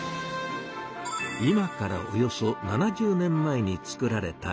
今からおよそ７０年前に作られたエアコンです。